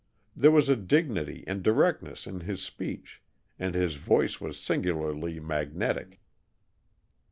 There was dignity and directness in his speech, and his voice was singularly magnetic.